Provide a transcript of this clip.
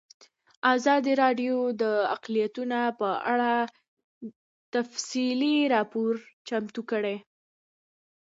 ازادي راډیو د اقلیتونه په اړه تفصیلي راپور چمتو کړی.